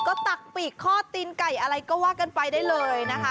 ก็ตักปีกข้อตีนไก่อะไรก็ว่ากันไปได้เลยนะคะ